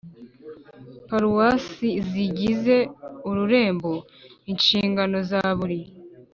Paruwasi zigize ururembo ishingano za buri